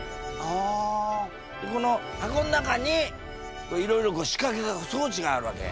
あ！でこの箱の中にいろいろこう仕掛けが装置があるわけ。